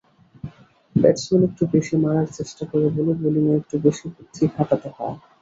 Batsman একটু বেশি মারার চেষ্টা করে বলে বোলিংয়ে একটু বেশি বুদ্ধি খাটাতে হয়।